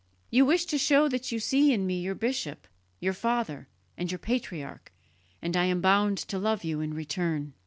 You wish to show that you see in me your bishop, your father, and your patriarch, and I am bound to love you in return.